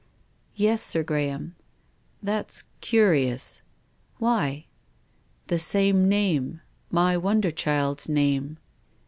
" Yes, Sir Graham." "That's curious." "Why?" "The same name — my wonder child's name."